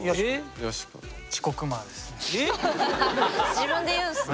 自分で言うんすね。